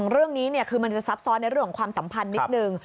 เรื่องนี้คือมันจะซับซ้อนในเรื่องของความสัมพันธ์นิดนึง